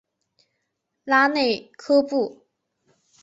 拉内科布。